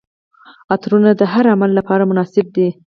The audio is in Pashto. عطرونه د هر عمر لپاره مناسب دي.